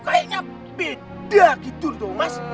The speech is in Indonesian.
kayaknya beda gitu loh mas